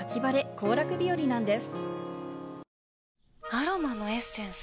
アロマのエッセンス？